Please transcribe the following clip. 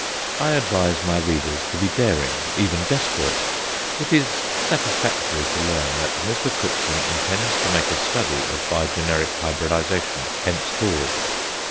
I advise my readers to be daring, even desperate. It is satisfactory to learn that Mr. Cookson intends to make a study of bi generic hybridization henceforward.